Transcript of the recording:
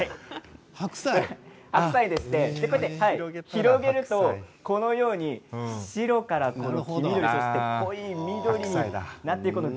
広げるとこのように白から黄緑そして濃い緑になっていくんです。